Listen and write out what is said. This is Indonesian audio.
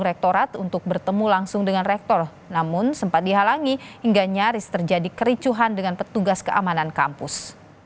rektorat untuk bertemu langsung dengan rektor namun sempat dihalangi hingga nyaris terjadi kericuhan dengan petugas keamanan kampus